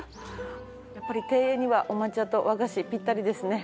やっぱり庭園にはお抹茶と和菓子ピッタリですね。